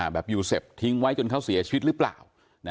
แบบยูเซฟทิ้งไว้จนเขาเสียชีวิตหรือเปล่า